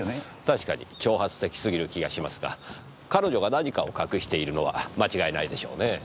確かに挑発的すぎる気がしますが彼女が何かを隠しているのは間違いないでしょうねぇ。